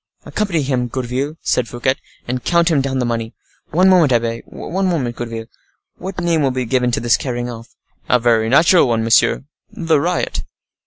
"Accompany him, Gourville," said Fouquet, "and count him down the money. One moment, abbe—one moment, Gourville—what name will be given to this carrying off?" "A very natural one, monsieur—the Riot."